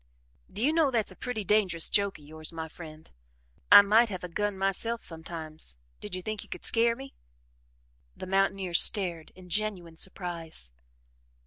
"Do you know that's a pretty dangerous joke of yours, my friend I might have a gun myself sometimes. Did you think you could scare me?" The mountaineer stared in genuine surprise.